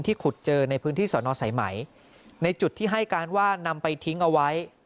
ขุดเจอในพื้นที่สอนอสายไหมในจุดที่ให้การว่านำไปทิ้งเอาไว้